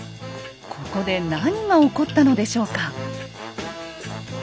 ここで何が起こったのでしょうか？